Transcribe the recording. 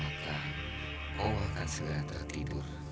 aku akan membantumu